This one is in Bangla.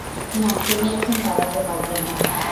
না তুমি এখন দাড়াতে পারবে না।